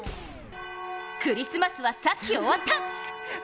クリスマスはさっき終わった！